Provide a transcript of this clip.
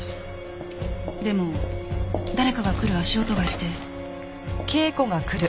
でも誰かが来る足音がして。